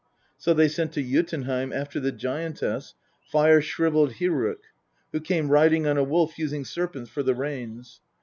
So they sent to Jotunheim after the giantess, fire shrivelled Hyrrok, who came riding on a wolf, using serpents for the reins.